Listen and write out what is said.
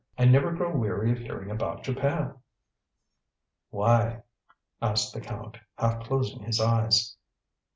"I never grow weary of hearing about Japan." "Why?" asked the Count, half closing his eyes.